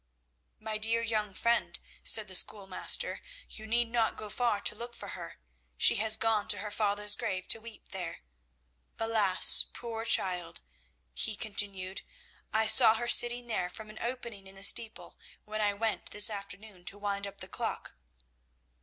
"'My dear young friend,' said the schoolmaster, 'you need not go far to look for her. She has gone to her father's grave to weep there. Alas, poor child!' he continued, 'I saw her sitting there from an opening in the steeple when I went this afternoon to wind up the clock.'